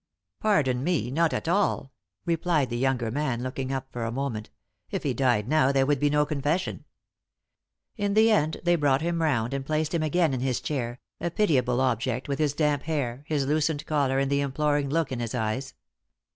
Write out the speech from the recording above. "Pardon me, not at all," replied the younger man, looking up for a moment. "If he died now there would be no confession." In the end they brought him round and placed him again in his chair, a pitiable object, with his damp hair, his loosened collar and the imploring look in his eyes.